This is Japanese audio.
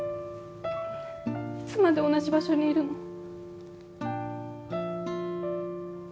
いつまで同じ場所にいるの？